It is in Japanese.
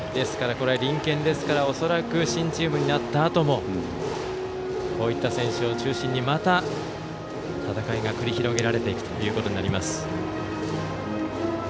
隣県ですから恐らく新チームになったあともこういった選手を中心にまた戦いが繰り広げられていくということになります。